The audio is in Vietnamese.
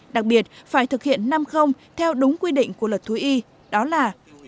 đặc biệt phải thực hiện năm không theo đúng quy định của luật thúy y đó là